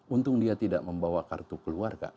untung dia tidak membawa kartu keluarga